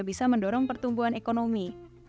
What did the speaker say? bisa mendorong pertumbuhan ekonomi